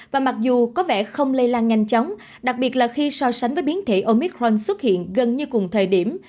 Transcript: và mặc dù có vẻ không lây lan nhanh chóng đặc biệt là khi so sánh với biến thể omicron xuất hiện gần như cùng thời điểm